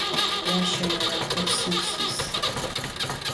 Yaşenere kursım sis.